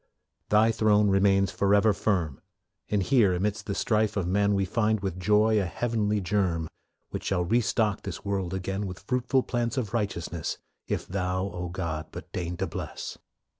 Thy throne remains forever firm, And here, amidst the strife of men, We find with joy a heavenly germ Which shall re stock this world again With fruitful plants of righteousness, If Thou, O God, but deign to bless.